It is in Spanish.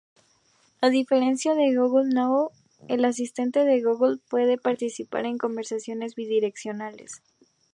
A diferencia de Google Now, el Asistente de Google puede participar en conversaciones bidireccionales.